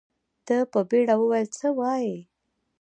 ده په بيړه وويل څه وايې.